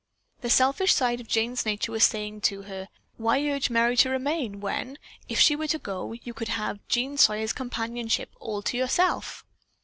The selfish side of Jane's nature was saying to her: "Why urge Merry to remain, when, if she were to go, you could have Jean Sawyer's companionship all to yourself?"